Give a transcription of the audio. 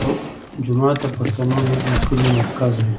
جومات د پښتنو د کلي مرکز وي.